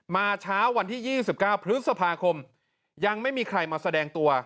มาเช้าวันที่ยี่สิบเก้าพฤษภาคมยังไม่มีใครมาแสดงตัว